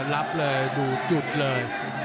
รับเลยดูจุดเลย